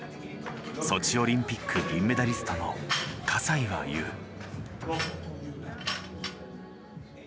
ソチオリンピック銀メダリストの西は言う。